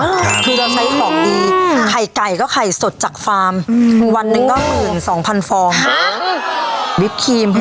คือเราใช้ของดีไข่ไก่ก็ไข่สดจากฟาร์มอืมวันหนึ่งก็หมื่นสองพันฟองวิปครีม